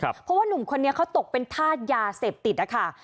เพราะว่านุ่มคนนี้เขาตกเป็นธาตุยาเสพติดนะคะ